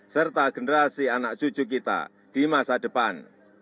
serta generasi anak cucu kita di masa depan